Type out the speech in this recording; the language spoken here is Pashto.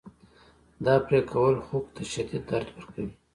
دا پرې کول خوک ته شدید درد ورکوي.